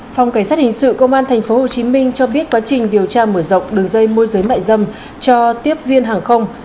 phòng cảnh sát hình sự công an tp hcm cho biết quá trình điều tra mở rộng đường dây môi giới mại dâm cho tiếp viên hàng không